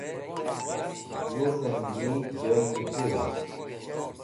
Wuzem yi joyne kuzg